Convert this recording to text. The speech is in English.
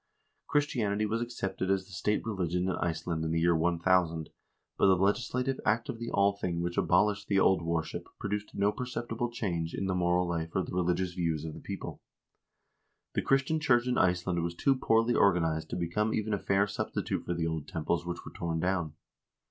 Christianity was accepted as the state religion in Iceland in the year 1000, but the legislative act of the Althing which abolished the old worship pro duced no perceptible change in the moral life or the religious views of the people. The Christian church in Iceland was too poorly organized to become even a fair substitute for the old temples which were torn down.